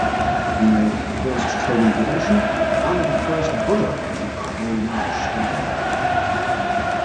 He made the first tonal gradation, and the first Buddha in crayonnage style.